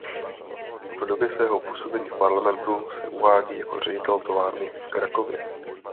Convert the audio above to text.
V době svého působení v parlamentu se uvádí jako ředitel továrny v Krakově.